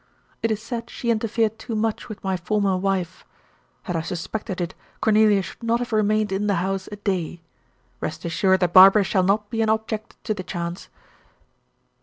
It is said she interfered too much with my former wife. Had I suspected it, Cornelia should not have remained in the house a day. Rest assured that Barbara shall not be an object to the chance."